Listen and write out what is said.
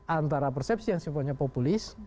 antara persepsi yang sifatnya populis